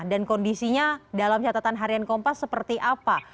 dan kondisinya dalam catatan harian kompas seperti apa